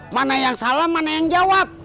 mana yang salah mana yang jawab